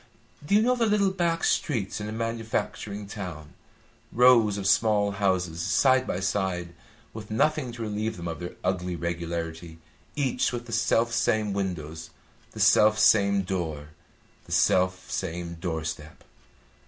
Do you know the little back streets in a manufacturing town? Rows of small houses, side by side, with nothing to relieve them of their ugly regularity, each with the self same windows, the self same door, the self same door step.